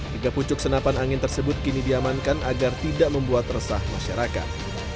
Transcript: tiga pucuk senapan angin tersebut kini diamankan agar tidak membuat resah masyarakat